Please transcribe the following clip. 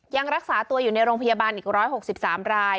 ยังรักษาตัวอยู่ในโรงพยาบาลอีก๑๖๓ราย